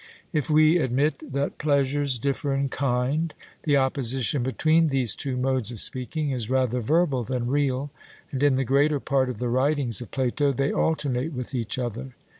If we admit that pleasures differ in kind, the opposition between these two modes of speaking is rather verbal than real; and in the greater part of the writings of Plato they alternate with each other.